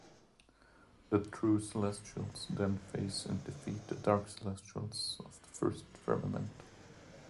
The True Celestials then face and defeat the Dark Celestials of the First Firmament.